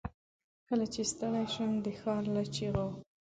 کله چې ستړی شم، دښارله چیغو